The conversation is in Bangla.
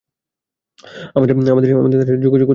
আমাদের তার সাথে যোগাযোগ করতে হবে।